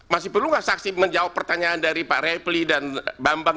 masih perlu nggak saksi menjawab pertanyaan dari pak refli dan bambang